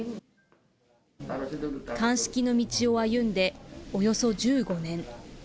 鑑識の道を歩んで、およそ１５年。